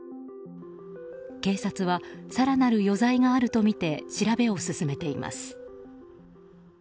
警察は更なる余罪があるとみて調べを進めています。